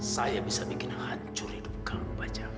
saya bisa bikin hancur hidup kamu baca